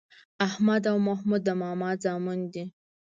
احمد او محمود د ماما زامن دي